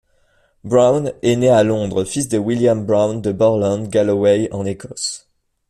Brown est né à Londres, fils de William Brown de Borland, Galloway, en Écosse.